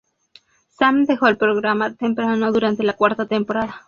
Sam dejó el programa temprano durante la cuarta temporada.